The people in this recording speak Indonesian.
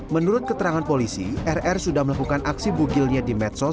menurut keterangan polisi rr sudah melakukan aksi bugilnya di medsos